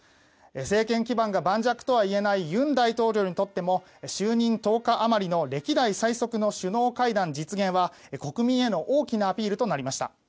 政権基盤が盤石とはいえない尹錫悦大統領にとっても就任１０日あまりの歴代最速の首脳会談実現は国民への大きなアピールとなりました。